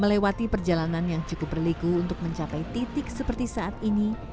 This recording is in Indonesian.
melewati perjalanan yang cukup berliku untuk mencapai titik seperti saat ini